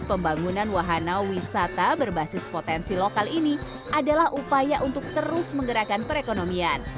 pembangunan wahana wisata berbasis potensi lokal ini adalah upaya untuk terus menggerakkan perekonomian